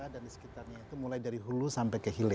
dan di sekitarnya itu mulai dari hulu sampai ke hilir